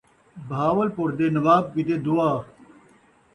بہاول پور دے نواب کیتے دعا